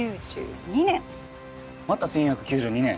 また１４９２年。